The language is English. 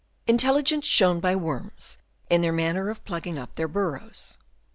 Intelligence shown by worms in their manner of plugging up Jheir burrows.